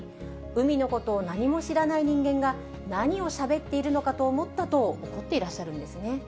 海のことを何も知らない人間が何をしゃべっているのかと思ったと、怒っていらっしゃるんですね。